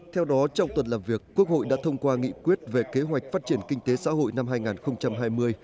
theo đó trong tuần làm việc quốc hội đã thông qua nghị quyết về kế hoạch phát triển kinh tế xã hội năm hai nghìn hai mươi